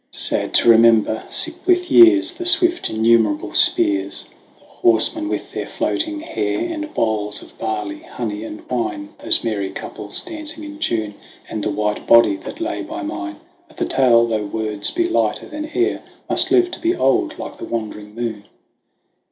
Sad to remember, sick with years, The swift innumerable spears, The horsemen with their floating hair, And bowls of barley, honey, and wine, And feet of maidens dancing in tune, And the white body that lay by mine ; But the tale, though words be lighter than air, Must live to be old like the wandering moon.